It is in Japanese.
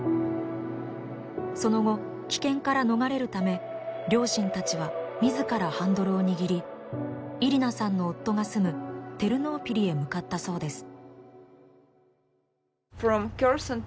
その後危険から逃れるため両親たちは自らハンドルを握りイリナさんの夫が住むテルノーピリへ向かったそうです。